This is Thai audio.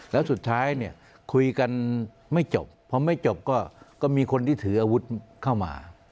แล้วสุดท้ายเนี่ยคุยกันไม่จบพอไม่จบก็มีคนที่ถืออาวุธเข้ามา